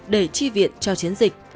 để tri viện cho chiến dịch